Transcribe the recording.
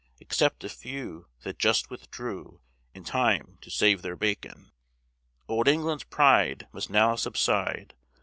Except a few that just withdrew In time to save their bacon. "Old England's pride must now subside.